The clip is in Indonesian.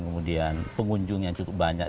kemudian pengunjung yang cukup banyak